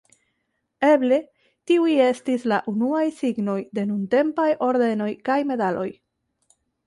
Eble tiuj estis la unuaj signoj de nuntempaj ordenoj kaj medaloj.